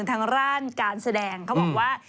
ทางด้านการแสดงเขาบอกว่า